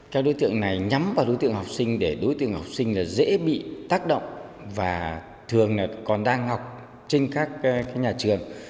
các đối tượng này nhắm vào đối tượng học sinh để đối tượng học sinh dễ bị tác động và thường còn đang học trên các nhà trường